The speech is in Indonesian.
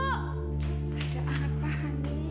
ada apa hani